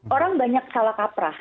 orang banyak salah kaprah